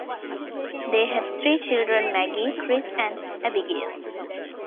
They had three children Maggie, Chris, and Abigail.